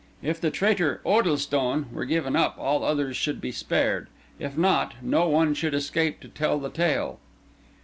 If the traitor "Oddlestone" were given up, all others should be spared; if not, no one should escape to tell the tale.